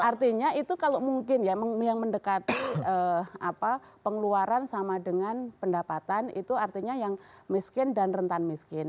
artinya itu kalau mungkin ya yang mendekati pengeluaran sama dengan pendapatan itu artinya yang miskin dan rentan miskin